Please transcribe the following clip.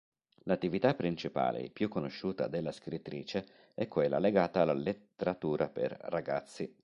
L'attività principale e più conosciuta della scrittrice è quella legata alla letteratura per ragazzi.